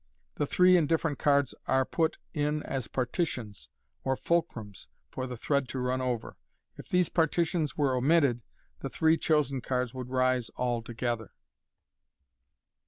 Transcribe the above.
The three indifferent cards are put in as partitions, or fulcrums, for the thread to run over. If these partitions were omitted, the three chosen cards would rise all together.